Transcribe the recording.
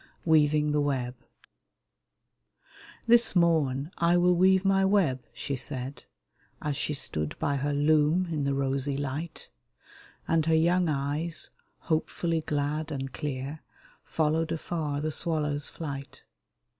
WEAVING THE WEB *'This morn I will weave my web," she said, As she stood by her loom in the rosy light, And her young eyes, hopefully glad and clear. Followed afar the swallow's flight.